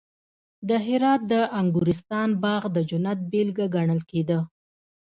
د هرات د انګورستان باغ د جنت بېلګه ګڼل کېده